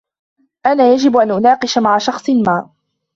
انا يجب ان اناقش مع شخص ما.